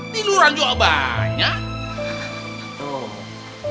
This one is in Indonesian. diluran juga banyak